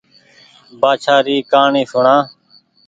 بآڇآ ري ڪهآڻي سوڻا